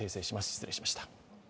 失礼しました。